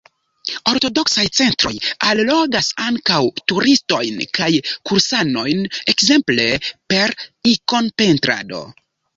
Ortodoksaj centroj allogas ankaŭ turistojn kaj kursanojn, ekzemple per ikonpentrado.